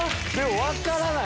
分からない。